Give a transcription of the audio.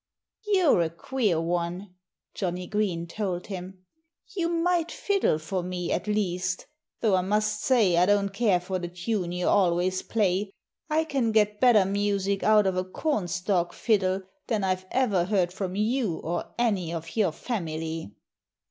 "You're a queer one," Johnnie Green told him. "You might fiddle for me, at least though I must say I don't care for the tune you always play. I can get better music out of a cornstalk fiddle than I've ever heard from you or any of your family."